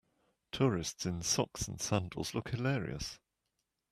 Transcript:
Tourists in socks and sandals look hilarious.